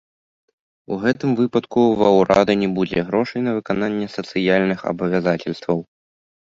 У гэтым выпадку ва ўрада не будзе грошай на выкананне сацыяльных абавязацельстваў.